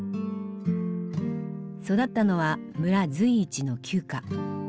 育ったのは村随一の旧家。